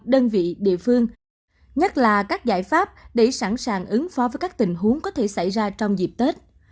đơn vị địa phương nhất là các giải pháp để sẵn sàng ứng phó với các tình huống có thể xảy ra trong dịp tết